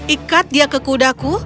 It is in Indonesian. ikat dia ke kudaku